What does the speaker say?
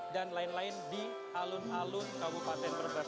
dan lain lain di alun alun kabupaten berbas